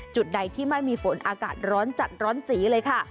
จุดใดที่ไม่มีฝนอากาศร้อนจัดร้อนจีเลยค่ะ